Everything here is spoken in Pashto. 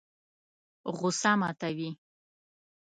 غوسه ماتوي.